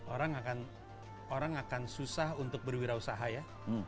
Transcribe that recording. orang akan orang akan susah untuk berwirausaha ya